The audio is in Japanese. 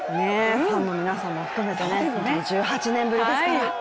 ファンの皆さんも含めて、１８年ぶりですから。